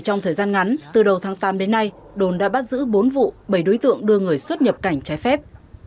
trong thời gian ngắn từ đầu tháng tám đến nay đồn đã bắt giữ bốn vụ bảy đối tượng đưa người xuất nhập cảnh trái phép